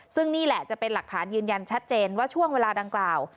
ซึ่งนี่แหละจะเป็นหลักฐานยืนยันชัดเจนว่าช่วงเวลาดังกล่าว